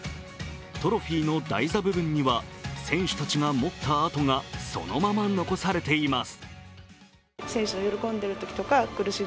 トロフィーの台座部分には、選手たちが持った跡がそのまま残されています。